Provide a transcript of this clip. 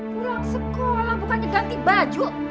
pulang sekolah bukannya ganti baju